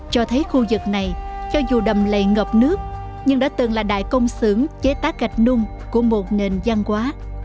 cho thấy khu vực này cho dù đầm lầy ngập nước nhưng đã từng là đại công sưởng chế tác gạch nung của một nền văn hóa